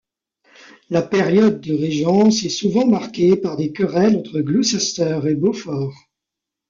La période de régence est souvent marquée par des querelles entre Gloucester et Beaufort.